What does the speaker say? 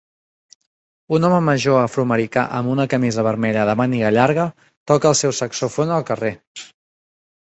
Un home major afroamericà amb una camisa vermella de màniga llarga toca el seu saxofon al carrer.